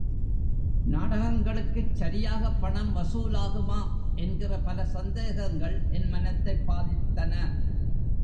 நாடகங்களுக்குச் சரியாகப் பணம் வசூலாகுமா? என்கிற பல சந்தேகங்கள் என் மனத்தைப் பாதித்தன.